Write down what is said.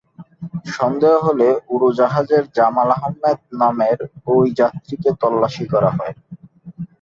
সন্দেহ হলে উড়োজাহাজের জামাল আহম্মেদ নামের ওই যাত্রীকে তল্লাশি করা হয়।